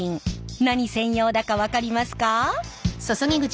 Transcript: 何専用だか分かりますか？